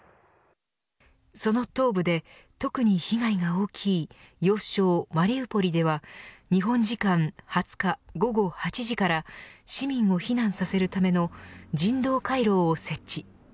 その東部で特に被害が大きい要衝マリウポリでは日本時間２０日午後８時から市民を避難させるための人道回廊を設置。